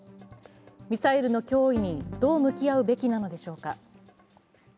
ミサイルの脅威に、どう向き合うべきなのでしょうか。